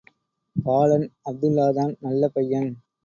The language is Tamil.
பாலன், அப்துல்லாதான் நல்ல பையன்.